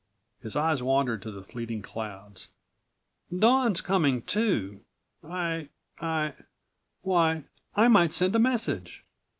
His eyes wandered to the fleeting clouds. "Dawn's coming, too. I—I—why, I might send a message.